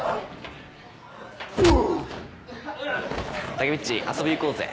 タケミっち遊び行こうぜ。